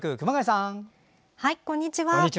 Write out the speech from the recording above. はい、こんにちは。